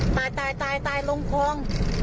ตายตายตายตายลงคลอง